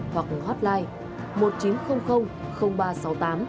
hoặc hotline một nghìn chín trăm linh ba trăm sáu mươi tám